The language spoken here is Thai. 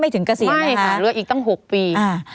ไม่ถึงเกษียณนะคะไม่ค่ะแล้วอีกตั้ง๖ปี